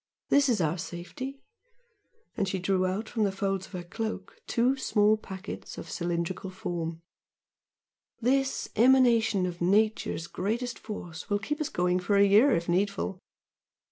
This is our safety" and she drew out from the folds of her cloak, two small packets of cylindrical form "This emanation of Nature's greatest force will keep us going for a year if needful!